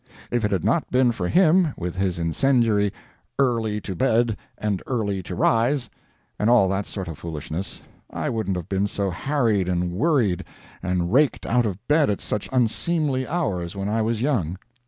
If it had not been for him, with his incendiary "Early to bed and early to rise," and all that sort of foolishness, I wouldn't have been so harried and worried and raked out of bed at such unseemly hours when I was young.